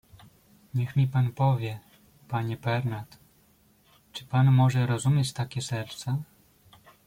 "Niech mi pan powie, panie Pernat, czy pan może rozumieć takie serca?"